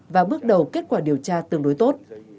và bước đầu kết quả điều tra tương đối tốt